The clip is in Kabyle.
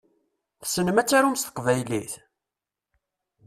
Tessnem ad tarum s teqbaylit?